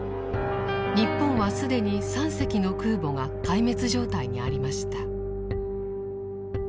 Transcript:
日本は既に３隻の空母が壊滅状態にありました。